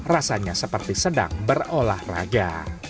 rasanya seperti sedang berolahraga